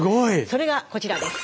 それがこちらです。